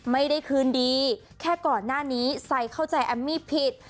ไม่ได้คืนดีแค่ก่อนหน้านี้ไซเข้าใจแอมมี่ผิด